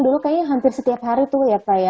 dulu kayaknya hampir setiap hari tuh ya pak ya